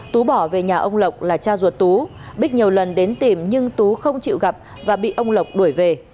tú bỏ về nhà ông lộc là cha ruột tú bích nhiều lần đến tìm nhưng tú không chịu gặp và bị ông lộc đuổi về